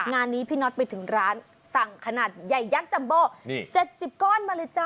งานนี้พี่น็อตไปถึงร้านสั่งขนาดใหญ่ยักษ์จัมโบ๗๐ก้อนมาเลยจ้